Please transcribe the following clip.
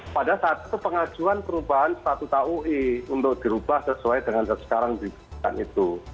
pada saat itu pengajuan perubahan statuta ui untuk dirubah sesuai dengan yang sekarang digunakan itu